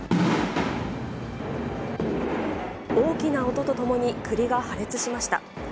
大きな音とともに、くりが破裂しました。